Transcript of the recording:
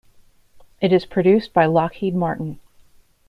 It is produced by Lockheed Martin.